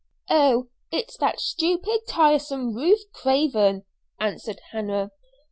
"Oh, it's that stupid, tiresome Ruth Craven," answered Hannah.